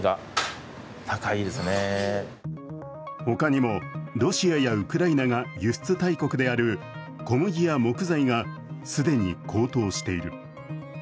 他にもロシアやウクライナが輸出大国である小麦や木材が既に高騰している。